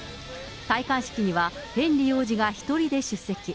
戴冠式にはヘンリー王子が１人で出席。